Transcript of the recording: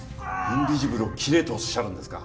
インビジブルを切れとおっしゃるんですか